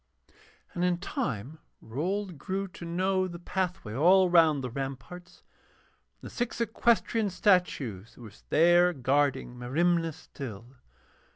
And in time Rold grew to know the pathway all round the ramparts, and the six equestrian statues that were there guarding Merimna still.